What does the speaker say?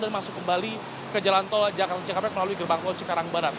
dan masuk kembali ke jalan tol jakarta cikampek melalui gerbang tol cikarangbaran